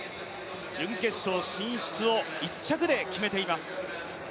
準決勝進出を１着で決めています。